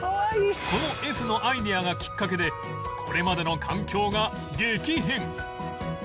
この Ｆ のアイデアがきっかけでこれまでの環境が激変